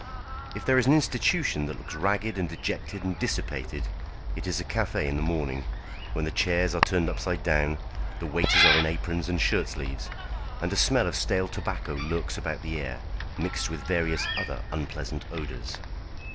If there is an institution that looks ragged and dejected and dissipated, it is a café in the morning, when the chairs are turned upside down, the waiters are in aprons and shirt sleeves, and a smell of stale tobacco lurks about the air, mixed with various other unpleasant odours.